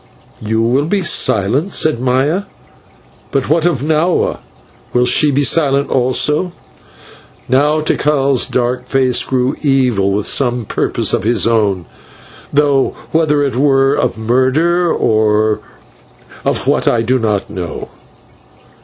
"You will be silent," said Maya "but what of Nahua? Will she be silent also?" Now Tikal's dark face grew evil with some purpose of his own, though whether it were of murder or of what I do not know.